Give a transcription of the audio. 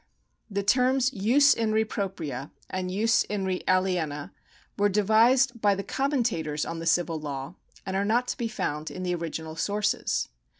^ The terms jus in re propria and jus in re aliena were devised by the commentators on the civil law, and are not to be found in the original som ces.